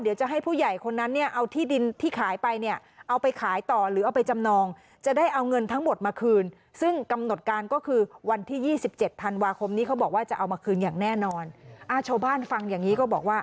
อย่างแน่นอนชาวบ้านฟังอย่างนี้ก็บอกว่า